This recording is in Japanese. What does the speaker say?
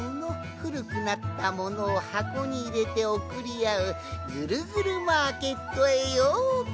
ふるくなったものをはこにいれておくりあうぐるぐるマーケットへようこそ。